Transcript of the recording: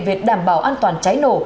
về đảm bảo an toàn cháy nổ